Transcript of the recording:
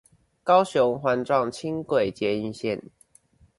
高雄環狀輕軌捷運線